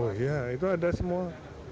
oh iya itu ada semua